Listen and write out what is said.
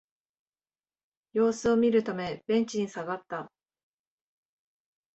様子を見るためベンチに下がった